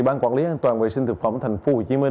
ban quản lý an toàn vệ sinh thực phẩm tp hcm